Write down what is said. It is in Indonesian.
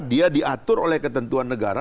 dia diatur oleh ketentuan negara